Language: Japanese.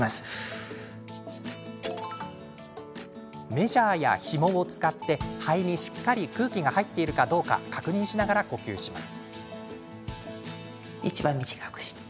メジャーや、ひもを使って肺にしっかり空気が入っているかどうか確認しながら呼吸します。